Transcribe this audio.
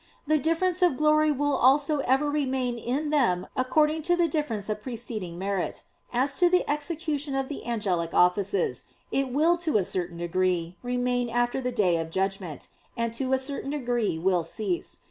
The difference of glory will also ever remain in them according to the difference of preceding merit. As to the execution of the angelic offices, it will to a certain degree remain after the Day of Judgment, and to a certain degree will cease.